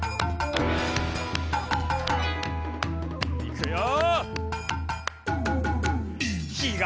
いくよ。